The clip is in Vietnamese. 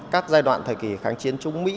các giai đoạn thời kỳ kháng chiến trung mỹ